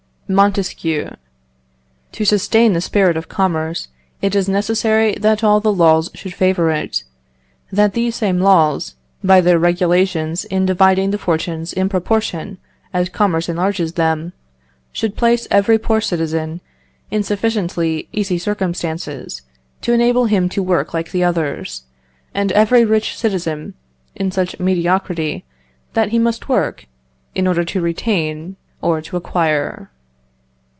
Montesquieu. "To sustain the spirit of commerce, it is necessary that all the laws should favour it; that these same laws, by their regulations in dividing the fortunes in proportion as commerce enlarges them, should place every poor citizen in sufficiently easy circumstances to enable him to work like the others, and every rich citizen in such mediocrity that he must work, in order to retain or to acquire."